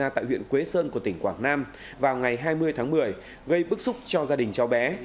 tại huyện quế sơn của tỉnh quảng nam vào ngày hai mươi tháng một mươi gây bức xúc cho gia đình cháu bé